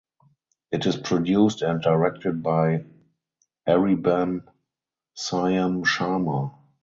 It is produced and directed by Aribam Syam Sharma.